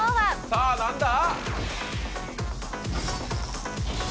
さぁ何だ？